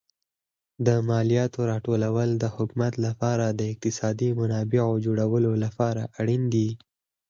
د مالیاتو راټولول د حکومت لپاره د اقتصادي منابعو جوړولو لپاره اړین دي.